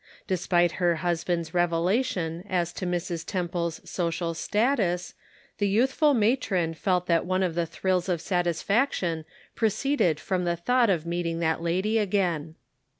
Despite her husband's revelation as to Mrs. Temple's social status, the youthful matron felt that one of the thrills of satisfaction proceeded from the thought of meeting that lady again.